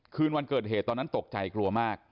คืนวันเกิดเหตุตอนนั้นตกใจกลัวมาก